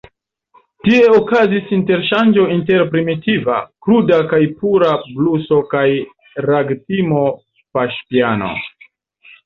Tie okazis interŝanĝo inter primitiva, kruda kaj pura bluso kaj ragtimo-paŝpiano.